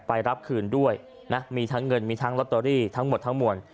ไปรับคืนด้วยนะมีทั้งเงินมีทั้งลอตเตอรี่ทั้งหมดทั้งมวล